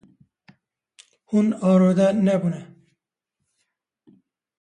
Hûn arode nebûne.